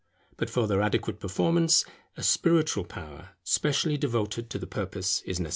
But for their adequate performance a spiritual power specially devoted to the purpose is necessary.